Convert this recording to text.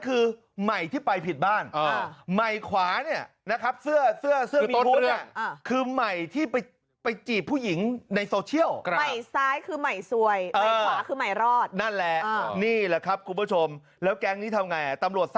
เอาล่ะผิดบ้านแล้วใหม่อ่ะใหม่ที่อยู่บ้านนี้ตรงลงคนไหน